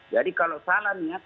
jadi kalau salah niat